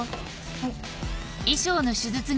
はい。